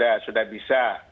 ease saja sudah bisa